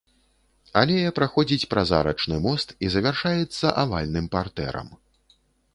Алея праходзіць праз арачны мост і завяршаецца авальным партэрам.